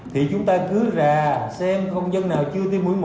thì chúng ta cứ ra xem không dân nào chưa tiêm mũi một